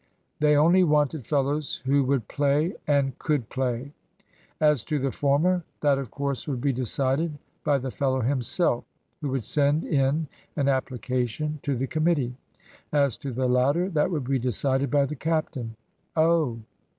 They only wanted fellows who would play and could play; as to the former, that of course would be decided by the fellow himself, who would send in an application to the committee. As to the latter, that would be decided by the captain. Oh!